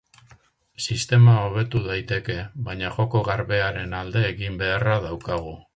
Sistema hobetu daiteke, baina joko garbearen alde egin beharra daukagu.